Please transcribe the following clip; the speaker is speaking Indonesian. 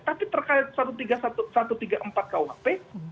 tapi terkait satu ratus tiga puluh empat kau hp